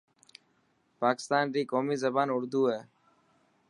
پاڪستان ري قومي زبان اردو هي.